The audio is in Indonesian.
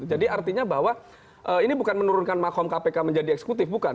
jadi artinya bahwa ini bukan menurunkan mahkom kpk menjadi eksekutif bukan